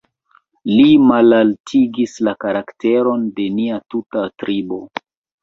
Li malaltigis la karakteron de nia tuta tribo.